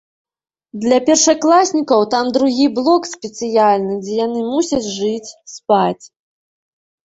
Для першакласнікаў там другі блок, спецыяльны, дзе яны мусяць жыць, спаць.